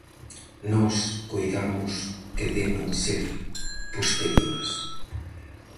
Nós coidamos que deben ser posteriores.